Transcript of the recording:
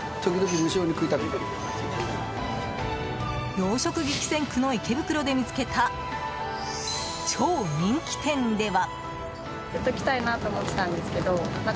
洋食激戦区の池袋で見つけた超人気店では。